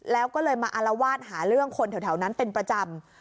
แล้วก็เลยมาอารวาสหาเรื่องคนแถวนั้นเป็นประจำ